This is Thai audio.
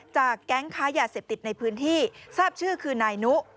แก๊งค้ายาเสพติดในพื้นที่ทราบชื่อคือนายนุ